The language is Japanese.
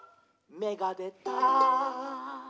「めがでた！」